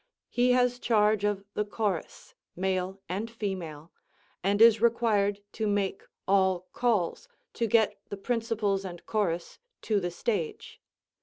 He has charge of the chorus, male and female, and is required to make all calls, to get the principals and chorus to the stage.